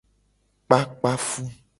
Kpakpa fu.